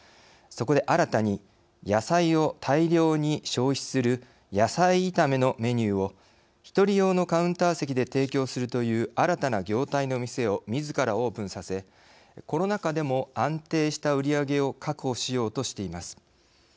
そこで、新たに野菜を大量に消費する野菜炒めのメニューを一人用のカウンター席で提供するという新たな業態の店をみずからオープンさせコロナ禍でも安定した売り上げを確保しようとしています。